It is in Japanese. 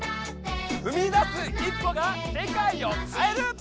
ふみ出す一歩が世界を変える！